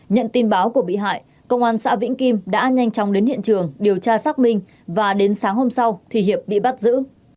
nhận tin báo của bị hại công an xã vĩnh kim đã nhanh chóng đến hiện trường điều tra xác minh và đến sáng hôm sau thì hiệp bị bắt giữ